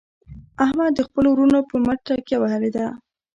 احمد د خپلو ورڼو په مټ تکیه وهلې ده.